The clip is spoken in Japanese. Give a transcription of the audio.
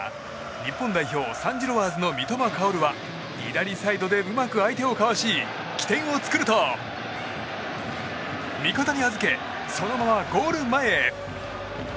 日本代表サンジロワーズの三笘薫は左サイドでうまく相手をかわし起点を作ると味方に預けそのままゴール前へ。